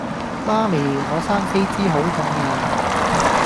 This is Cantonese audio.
媽咪我生痱滋好痛呀